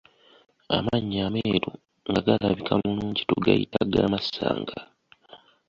Amannyo ameeru nga galabika bulungi tugayita ga masanga.